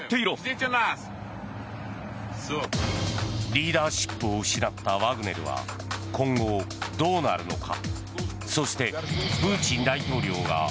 リーダーシップを失ったワグネルは今後どうなるのか。